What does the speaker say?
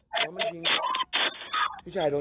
ผู้ชายโดนจิงตอนเข้าเริ่มหนีใช่ไหม